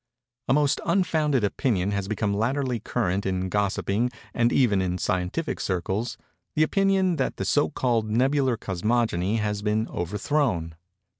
A most unfounded opinion has become latterly current in gossiping and even in scientific circles—the opinion that the so called Nebular Cosmogony has been overthrown.